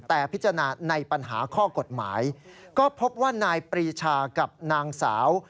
แต่พิจารณาในปัญหาข้อกฎหมายก็พบว่านายปรีชากับนางสาว